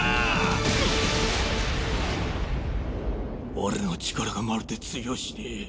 俺の力がまるで通用しねえ。